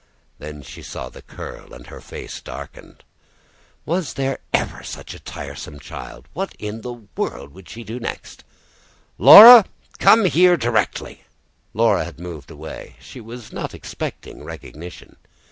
Then she saw the curl, and her face darkened. Was there ever such a tiresome child? What in all the world would she do next? "Laura, come here, directly!" Laura had moved away; she was not expecting recognition.